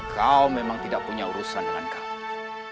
kau memang tidak punya urusan dengan kami